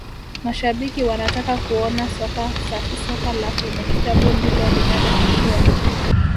mashabiki wanataka kuona soka safisoka la kwenye kitabu ndilo linalotakiwa